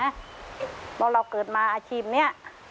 เพราะเราเกิดมาอาชีพนี้